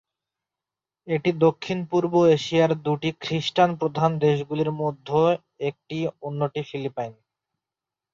এটি দক্ষিণ-পূর্ব এশিয়ার দুটি খ্রিস্টান প্রধান দেশগুলির মধ্যে একটি, অন্যটি ফিলিপাইন।